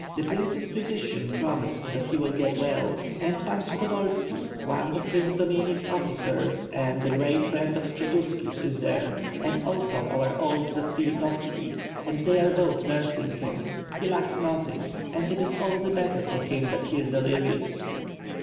"The prince's physician promises that he will get well; and Pan Sukhodolski, one of Prince Dominik's officers, and a great friend of Skshetuski's is there, and also our old Zats vilikhovski; and they are both nursing him. He lacks noth ing and it is all the better for him that he is delirious."